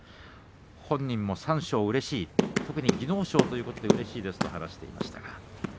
本人も三賞うれしい技能賞ということでうれしいですという話をしていました。